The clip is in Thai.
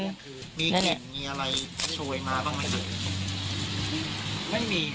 มีกลิ่นมีอะไรช่วยมาบ้างไหมครับ